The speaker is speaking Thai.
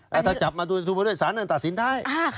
และถ้าจับมาด้วยสามารถตัดสินได้